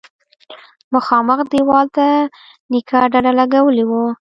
مخامخ دېوال ته نيکه ډډه لگولې وه.